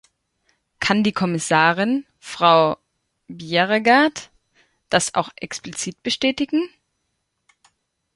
Kann die Kommissarin, Frau Bjerregaard, das auch explizit bestätigen?